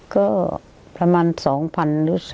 ก็ประมาณ๒๐๐๐หรือ๓๐